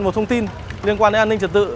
một thông tin liên quan đến an ninh trật tự